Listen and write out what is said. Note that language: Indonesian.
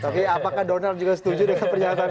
apakah donor juga setuju dengan pernyataan